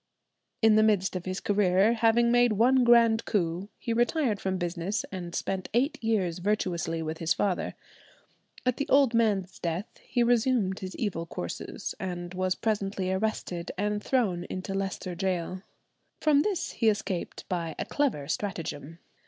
In the midst of his career, having made one grand coup, he retired from business and spent eight years virtuously with his father. At the old man's death he resumed his evil courses, and was presently arrested and thrown into Leicester Gaol. From this he escaped by a clever stratagem.